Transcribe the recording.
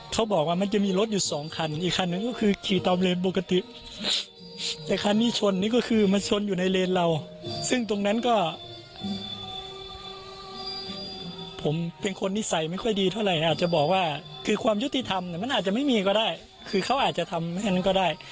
ที่ทำเนี้ยมันอาจจะไม่มีก็ได้คือเขาอาจจะทำแบบนั้นก็ได้